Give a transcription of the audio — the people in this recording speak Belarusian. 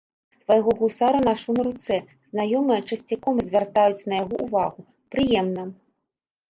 Свайго гусара нашу на руцэ, знаёмыя часцяком звяртаюць на яго ўвагу, прыемна!